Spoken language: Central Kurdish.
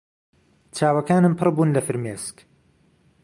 چاوەکانم پڕ بوون لە فرمێسک.